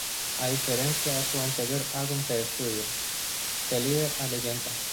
A diferencia de su anterior álbum de estudio, De Líder a Leyenda.